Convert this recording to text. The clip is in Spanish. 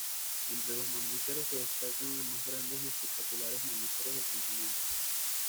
Entre los mamíferos se destacan los más grandes y espectaculares mamíferos del continente.